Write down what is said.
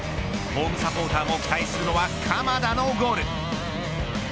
ホームサポーターも期待するのは鎌田のゴール。